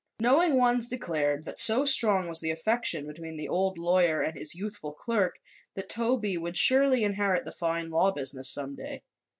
Knowing ones declared that so strong was the affection between the old lawyer and his youthful clerk that Toby would surely inherit the fine law business some day.